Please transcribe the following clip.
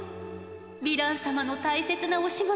ヴィラン様の大切なお仕事